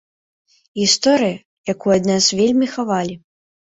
Гісторыя, якую ад нас вельмі хавалі.